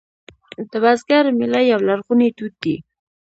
د بزګر میله یو لرغونی دود دی